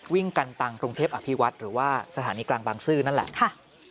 วิ่งกันตังกรุงเทพอภิวัฒน์หรือว่าสถานีกลางบางซื่อนั่นแหละค่ะ